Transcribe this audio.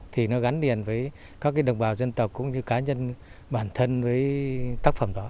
thì nó gắn liền với các đồng bào dân tộc cũng như cá nhân bản thân với tác phẩm đó